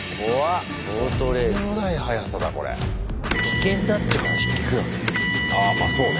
危険だっちゅう話を聞くよね。